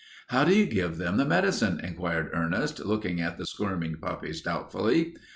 "How do you give them the medicine?" inquired Ernest, looking at the squirming puppies doubtfully.